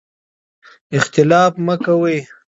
اختلاف مه کوئ.